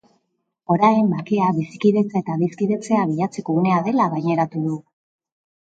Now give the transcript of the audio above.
Orain, bakea, bizikidetza eta adiskidetzea bilatzeko unea dela gaineratu du.